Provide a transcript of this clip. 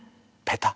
ペタ。